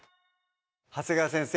長谷川先生